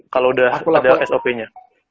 kalau udah ada sop nya